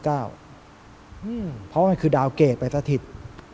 เพราะว่ามันคือดาวเกรดไปสถิต